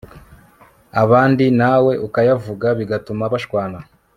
abandi nawe ukayavuga bigatuma bashwana